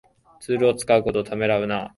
ツールを使うことをためらわない